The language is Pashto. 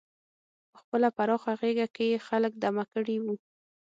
په خپله پراخه غېږه کې یې خلک دمه کړي وو.